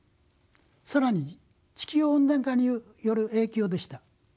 更に地球温暖化による影響でした。